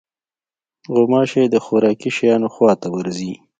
غوماشې د خوراکي شیانو خوا ته ورځي.